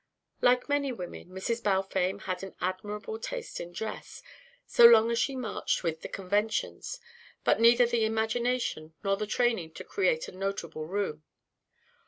Like many women, Mrs. Balfame had an admirable taste in dress, so long as she marched with the conventions, but neither the imagination nor the training to create the notable room.